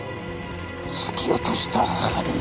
突き落とした犯人。